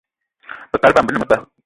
Be kaal bama be ne meba